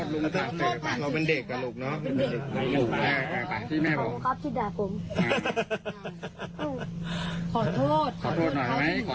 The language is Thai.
แล้วเขาก็บอกว่า